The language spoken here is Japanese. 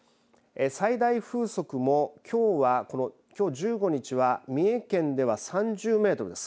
最大風速もきょうはきょう１５日は三重県では３０メートルです。